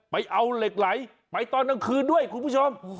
ไปเอาเหล็กไหลไปตอนกลางคืนด้วยคุณผู้ชม